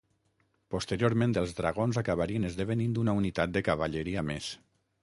Posteriorment els dragons acabarien esdevenint una unitat de cavalleria més.